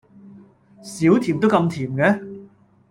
少甜都咁甜嘅？